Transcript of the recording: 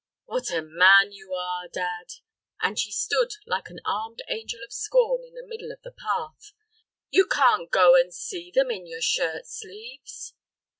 "What a man you are, dad!" and she stood like an armed angel of scorn in the middle of the path; "you can't go and see them in your shirt sleeves."